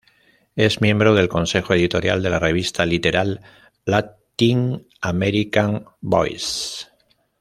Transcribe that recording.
Es miembro del Consejo Editorial de la revista Literal: Latin American Voices.